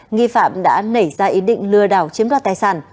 nghi phạm đã nảy ra ý định lừa đảo chiếm đoạt tài sản